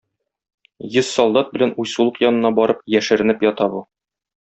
Йөз солдат белән уйсулык янына барып яшеренеп ята бу.